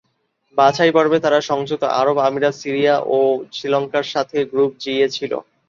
বাছাইপর্বে তারা সংযুক্ত আরব আমিরাত, সিরিয়া ও শ্রীলঙ্কার সাথে গ্রুপ জি-এ ছিল।